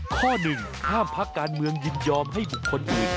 ข้อหนึ่งห้ามพักการเมืองยินยอมให้บุคคลอื่น